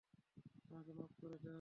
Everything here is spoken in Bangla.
আমাকে মাফ করে দিও।